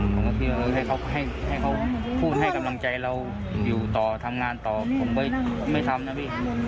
ผมก็คิดว่าให้เขาให้เขาพูดให้กำลังใจเราอยู่ต่อทำงานต่อผมก็ไม่ทำนะพี่